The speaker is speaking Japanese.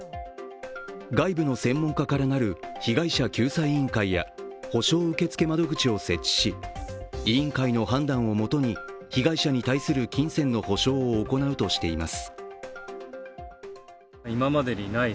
外部の専門家からなる被害者救済委員会や補償受付窓口を設置し、委員会の判断をもとに被害者に対する金銭の補償を行うとしています。